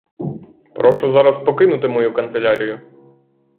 Прошу зараз покинути мою канцелярію!